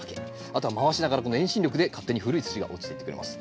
あとは回しながらこの遠心力で勝手に古い土が落ちていってくれます。